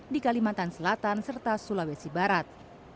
di kalimantan selatan serta sulawesi barat